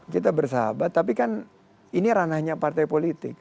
kita bersahabat tapi kan ini ranahnya partai politik